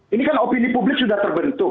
ini kan opini publik sudah terbentuk